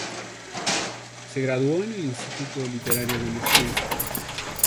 Se graduó en el Instituto Literario de Moscú.